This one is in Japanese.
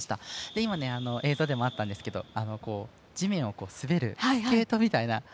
今、映像でもあったんですが地面を滑るスケートみたいな。